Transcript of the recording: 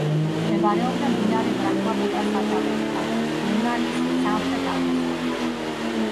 მდებარეობდა მდინარე ბრაჰმაპუტრას სათავეებთან, ბენგალის სამხრეთ-აღმოსავლეთში.